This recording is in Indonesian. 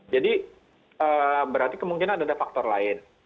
jadi berarti kemungkinan ada faktor lain